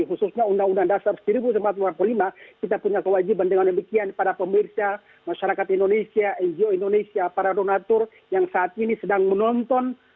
khususnya undang undang dasar seribu sembilan ratus empat puluh lima kita punya kewajiban dengan demikian para pemirsa masyarakat indonesia ngo indonesia para donatur yang saat ini sedang menonton